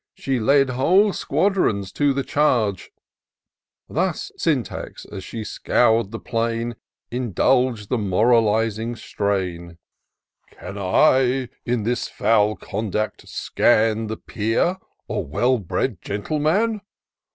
She led whole squadrons to the charge. Thus Syntax, as she scour'd the plain, Indulg'd the moralizing strain. D D 202 TOUR OF DOCTOR SYNTAX " Can I, in this foul conduct, scan The peer, or well bred gentleman